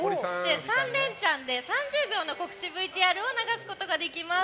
３レンチャンで３０秒の告知ＶＴＲを流すことができます。